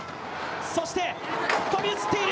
そして、飛び移っている。